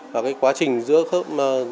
và quá trình giữa khớp